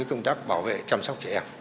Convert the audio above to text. công tác bảo vệ chăm sóc trẻ em